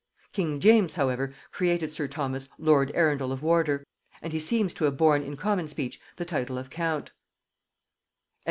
King James, however, created sir Thomas, lord Arundel of Wardour; and he seems to have borne in common speech, the title of count.